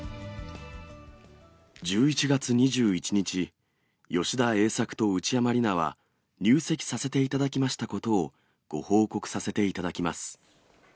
１１月２１日、吉田栄作と内山理名は入籍させていただきましたことを、ご報告させていただきます。